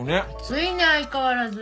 熱いね相変わらず。